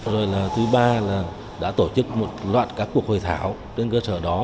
rồi là thứ ba là đã tổ chức một loạt các cuộc hội thảo trên cơ sở đó